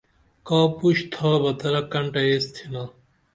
کا پوش تھا بہ ترا کنٹہ یس تھینا